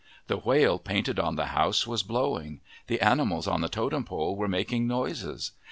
The whale painted on the house was blowing. The animals on the totem pole were making noises.